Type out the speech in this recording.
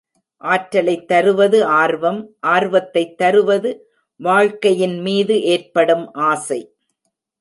ஆற்றலைத் தருவது ஆர்வம் ஆர்வத்தைத் தருவது, வாழ்க்கையின் மீது ஏற்படும் ஆசை.